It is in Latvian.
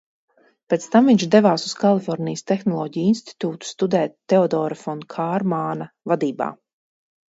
Pēc tam viņš devās uz Kalifornijas Tehnoloģiju institūtu studēt Teodora fon Kārmāna vadībā.